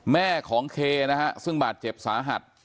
แม่ของเคนะฮะซึ่งบาดเจ็บสาหัส